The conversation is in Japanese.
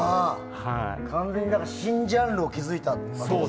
完全に新ジャンルを築いたわけですか。